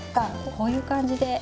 こういう感じで。